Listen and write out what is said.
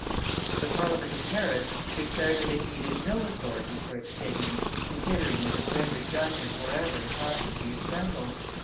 The Parliament of Paris declared that it needed no authority for its sittings, considering that it rendered justice wherever it happened to be assembled.